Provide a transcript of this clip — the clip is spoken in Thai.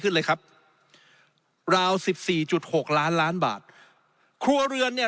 ขึ้นเลยครับราวสิบสี่จุดหกล้านล้านบาทครัวเรือนเนี่ย